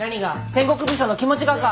戦国武将の気持ちがか？